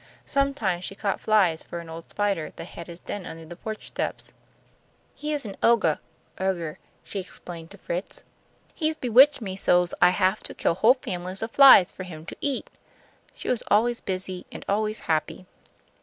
Sometimes she caught flies for an old spider that had his den under the porch steps. "He is an ogah" (ogre), she explained to Fritz. "He's bewitched me so's I have to kill whole families of flies for him to eat." She was always busy and always happy.